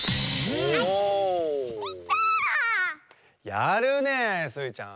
やるねえスイちゃん。